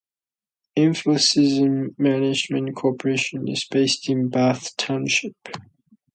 InfoCision Management Corporation is based in Bath Township.